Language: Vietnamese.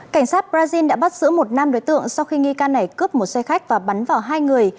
cảnh sát brazil đã bắt giữ một nam đối tượng sau khi nghi can này cướp một xe khách và bắn vào hai người